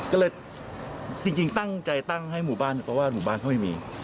ก็เลยจริงตั้งใจตั้งให้หมู่บ้านเพราะว่าหมู่บ้านเขาไม่มี